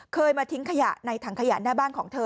เคยมาทิ้งขยะในถังขยะหน้าบ้านของเธอ